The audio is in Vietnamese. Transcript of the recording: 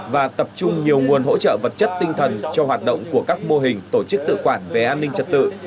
và tập trung nhiều nguồn hỗ trợ vật chất tinh thần cho hoạt động của các mô hình tổ chức tự quản về an ninh trật tự